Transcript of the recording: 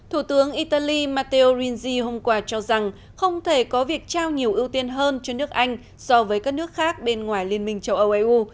thủ tướng italy matter ringzi hôm qua cho rằng không thể có việc trao nhiều ưu tiên hơn cho nước anh so với các nước khác bên ngoài liên minh châu âu eu